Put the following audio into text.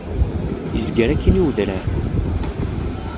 Izger akkin i udrar.